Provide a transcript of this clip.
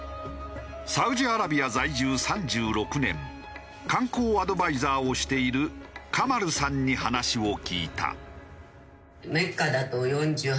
サウジアラビア在住３６年観光アドバイザーをしているカマルさんに話を聞いた。